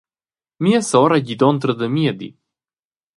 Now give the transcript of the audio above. Mia sora ei gidontra da miedi.